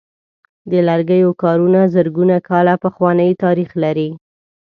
د لرګیو کارونه زرګونه کاله پخوانۍ تاریخ لري.